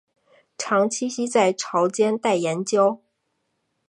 常栖息在潮间带岩礁。